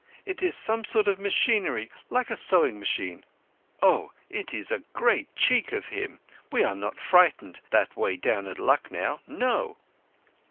—It is some sort of machinery like a sewing machine. Oh, it is a great cheek of him—we are not frightened that way at Lucknow—No!"